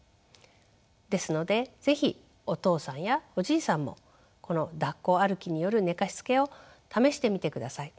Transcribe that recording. ですので是非お父さんやおじいさんもこのだっこ歩きによる寝かしつけを試してみてください。